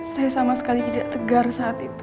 saya sama sekali tidak tegar saat itu